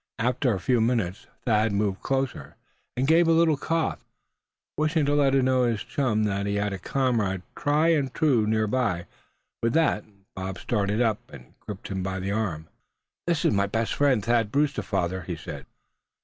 After a few minutes Thad moved closer, and gave a little cough, wishing to let his chum know that he had a comrade tried and true near by. With that Bob started up, and gripped him by the arm. "This is my best friend, Thad Brewster, father," he said.